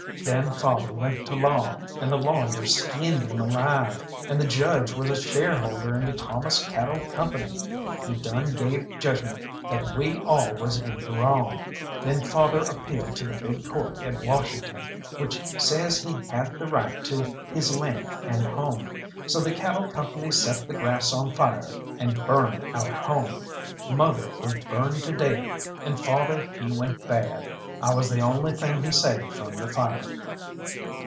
Then father went to law, and the lawyers skinned him alive, and the judge was a shareholder in the Thomas Cattle Company he done gave judgment that we all was in the wrong. Then father appealed to the big Court at Washington, which says he had the right to his land and home. So the cattle company set the grass on fire and burned our home. Mother was burned to death, and father he went bad. I was the only thing he saved from the fire."